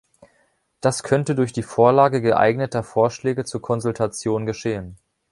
Das könnte durch die Vorlage geeigneter Vorschläge zur Konsultation geschehen.